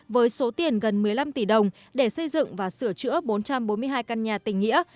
với số tiền gần một mươi năm tỷ đồng để xây dựng và sửa chữa bốn trăm bốn mươi hai căn nhà tỉnh nghĩa